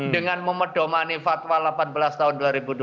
dengan memedomani fatwa delapan belas tahun dua ribu dua puluh